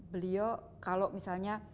beliau kalau misalnya